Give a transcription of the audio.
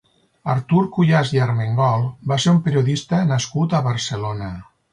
Artur Cuyàs i Armengol va ser un periodista nascut a Barcelona.